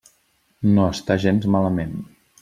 No està gens malament.